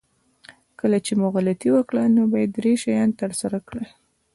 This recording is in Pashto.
کله چې مو غلطي وکړه نو باید درې شیان ترسره کړئ.